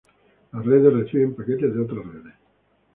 Las redes reciben paquetes de otras redes.